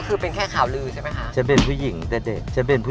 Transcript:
คือคนเข้าใจว่าแม่สิตางมีแบบว่าเคยแบบ